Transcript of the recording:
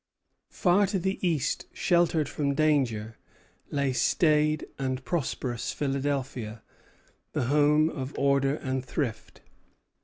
Far to the east, sheltered from danger, lay staid and prosperous Philadelphia, the home of order and thrift.